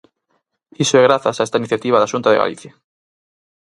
Iso é grazas a esta iniciativa da Xunta de Galicia.